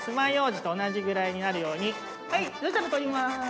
そしたら取ります。